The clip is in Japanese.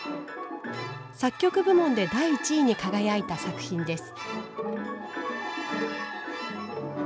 作曲部門で第１位に輝いた作品です。